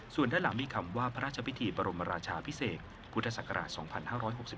ส่วนด้านหลังมีคำว่าพระราชพิธีบรมราชาพิเศษพุทธศักราช๒๕๖๒